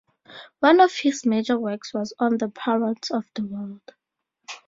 One of his major works was on the parrots of the world.